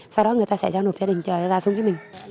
sau đó người ta sẽ giao nộp gia đình ra xung với mình